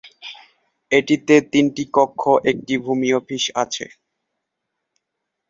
এটিতে তিনটি কক্ষ, একটি ভূমি অফিস আছে।